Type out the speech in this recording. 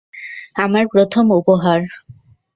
আমার প্রথম উপহার।